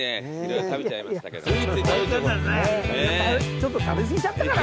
ちょっと食べ過ぎちゃったかな？